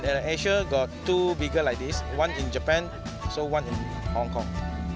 di asia ada dua layang layang seperti ini satu di jepang satu di hong kong